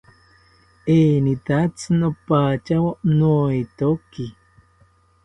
Enitatzi nopathawo noetoki